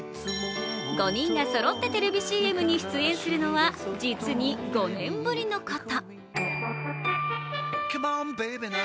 ５人がそろってテレビＣＭに出演するのは実に５年ぶりのこと。